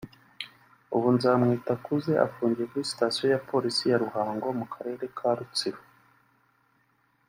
ubu Nzamwitakuze afungiye kuri Sitasiyo ya Polisi ya Ruhango mu karere ka Rutsiro